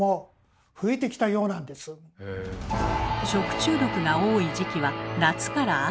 食中毒が多い時期は夏から秋。